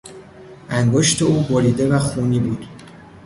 انگشت او بریده و خونی بود.